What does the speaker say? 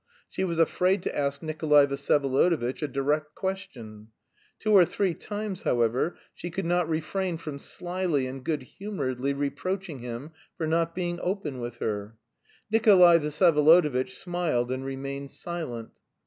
She was afraid to ask Nikolay Vsyevolodovitch a direct question. Two or three times, however, she could not refrain from slyly and good humouredly reproaching him for not being open with her. Nikolay Vsyevolodovitch smiled and remained silent.